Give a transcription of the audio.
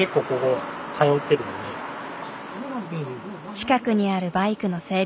近くにあるバイクの整備